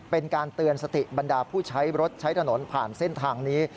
เป็นการเตือนสติบรรดาผู้ใช้รถใช้ถนนผ่านเส้นทางนี้